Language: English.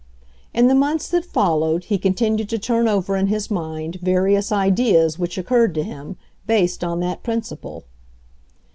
In the months that followed he continued to turn over in his mind various ideas which oc curred to him, based on that principle.